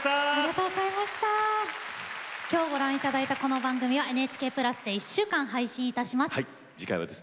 今日ご覧いただいたこの番組は、ＮＨＫプラスで１週間配信いたします。